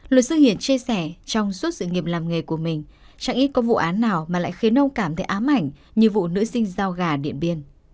luật sư hiển chia sẻ trong suốt sự nghiệp làm nghề của mình chẳng ít có vụ án nào mà lại khiến ông cảm thấy ám ảnh như vụ nữ sinh giao gà điện biên